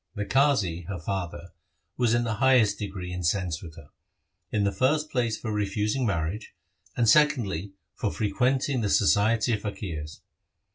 The Qazi, her father, was in the highest degree incensed with her ; in the first place, for refusing marriage, and secondly, for ' fre quenting the society of faqirs.